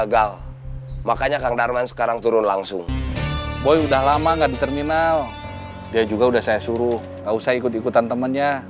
gak usah ikut ikutan temennya